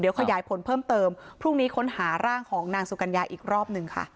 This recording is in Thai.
ขยายผลเพิ่มเติมพรุ่งนี้ค้นหาร่างของนางสุกัญญาอีกรอบหนึ่งค่ะ